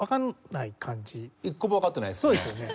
一個もわかってないですね。